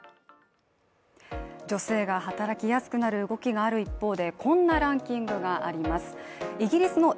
女性が働きやすくなる動きがある一方でこんなランキングがあります。